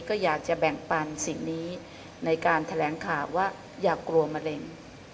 ก็อยากจะแบ่งปันสิ่งนี้ในการแถลงข่าวว่าอย่ากลัวมะเร็ง